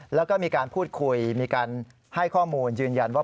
แล้วก็มีการพูดคุยมีการให้ข้อมูลยืนยันว่า